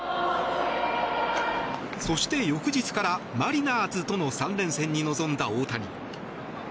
そして、翌日からマリナーズとの３連戦に臨んだ大谷。